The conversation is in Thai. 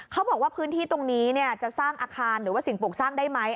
เขาบอกว่าพื้นที่ตรงนี้จะสร้างอาคารหรือว่าสิ่งปลูกสร้างได้ไหม